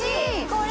これ！